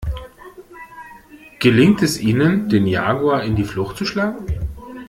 Gelingt es ihnen, den Jaguar in die Flucht zu schlagen?